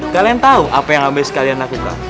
kalian tau apa yang abis kalian lakukan